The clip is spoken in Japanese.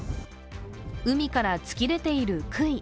海から突き出ているくい。